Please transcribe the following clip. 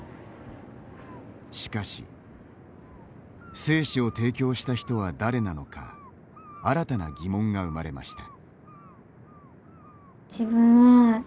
しかし、精子を提供した人は誰なのか新たな疑問が生まれました。